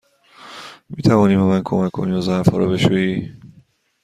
می توانی به من کمک کنی و ظرف ها را بشویی؟